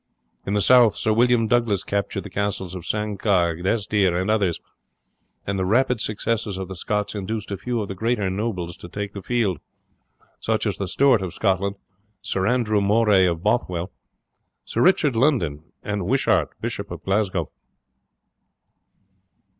In the south Sir William Douglas captured the castles of Sanquhar, Desdeir, and others, and the rapid successes of the Scots induced a few of the greater nobles to take the field, such as the Steward of Scotland, Sir Andrew Moray of Bothwell, Sir Richard Lundin, and Wishart, Bishop of Glasgow.